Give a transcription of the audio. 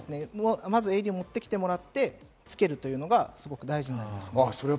まずＡＥＤを持ってきてもらってつけるのがすごく大事です。